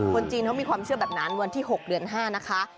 จีนเขามีความเชื่อแบบนั้นวันที่๖เดือน๕นะคะ